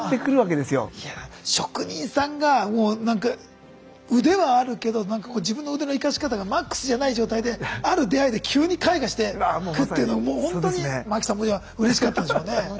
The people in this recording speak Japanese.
いや職人さんがもうなんか腕はあるけど自分の腕の生かし方がマックスじゃない状態である出会いで急に開花していくっていうのもうほんとに槇さんもじゃあうれしかったんでしょうね。